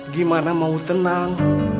gimana mau tenang